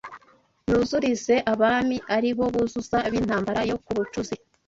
Nuzurize Abami ari bo buzuza b’intambara yo ku Bucuzi